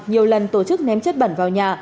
nhiều lần tổ chức ném chất bẩn vào nhà